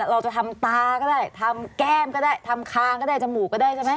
เราจะทำตาก็ได้ทำแก้มก็ได้ทำคางก็ได้จมูกก็ได้ใช่ไหม